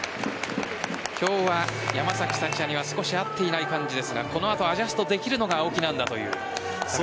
今日は山崎福也には少し合っていない感じですがこの後アジャストできるのが青木なんだと。